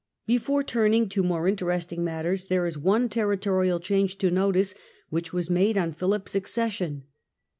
Before turning to more interesting matters, there is Navan e one territorial change to notice, which was made on Philip's accession.